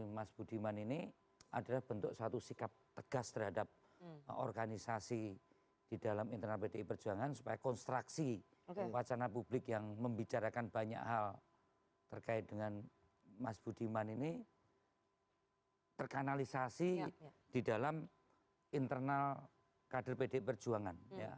ini mas budiman ini adalah bentuk satu sikap tegas terhadap organisasi di dalam internal pdi perjuangan supaya konstruksi wacana publik yang membicarakan banyak hal terkait dengan mas budiman ini terkanalisasi di dalam internal kader pdi perjuangan